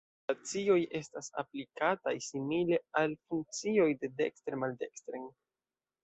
La operacioj estas aplikataj simile al funkcioj de dekstre maldekstren.